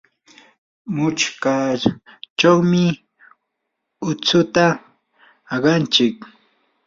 muchkachawmi utsuta aqanchik.